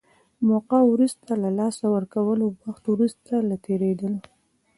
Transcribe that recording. موقعه وروسته له لاسه ورکولو، وخت وروسته له تېرېدلو.